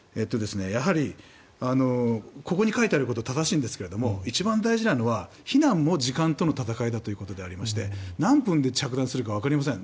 やはりここに書いてあることは正しいんですが一番大事なのは避難も時間との闘いであることでして何分で着弾するかわかりません。